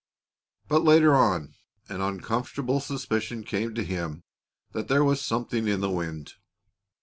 But later on, an uncomfortable suspicion came to him that there was something in the wind.